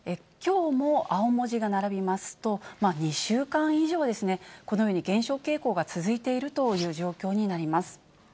きょうも青文字が並びますと、２週間以上、このように、減少傾向が続いているという状況になります。